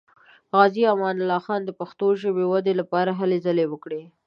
غازي امان الله خان د پښتو ژبې ودې لپاره هلې ځلې وکړې.